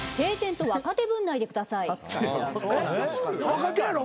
若手やろ？